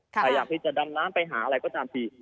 ใครอยากที่จะดำน้ำไปหาอะไรก็ตามที